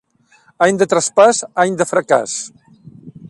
Any de traspàs, any de fracàs.